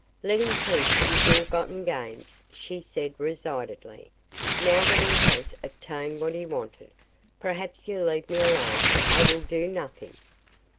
'Let him keep his ill gotten gains,' she said, resignedly. 'Now that he has obtained what he wanted, perhaps he'll leave me alone; I will do nothing.